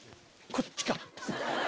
こっちか。